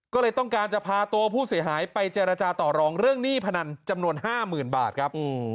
ก็เลยต้องการจะพาตัวผู้เสียหายไปเจรจาต่อรองเรื่องหนี้พนันจำนวน๕๐๐๐บาทครับ